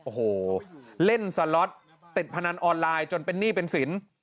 โอ้โหเล่นสล็อตติดพนันออนไลน์จนเป็นหนี้เป็นสิน